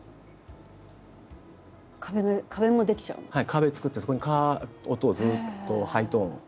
壁を作ってそこに音をずっとハイトーンをぶつけて。